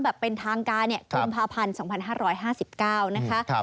แบบเป็นทางการกุมภาพันธ์๒๕๕๙นะคะ